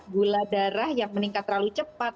gula darah yang meningkat terlalu cepat